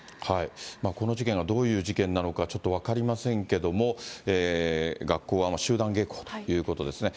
この事件がどういう事件なのか、ちょっと分かりませんけれども、学校は集団下校ということですね。